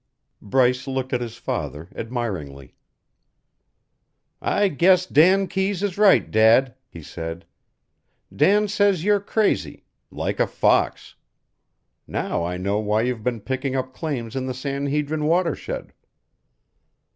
Bryce looked at his father admiringly. "I guess Dan Keyes is right, Dad," he said. "Dan says you're crazy like a fox. Now I know why you've been picking up claims in the San Hedrin watershed."